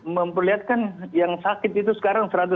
memperlihatkan yang sakit itu sekarang satu ratus tiga puluh tujuh ribu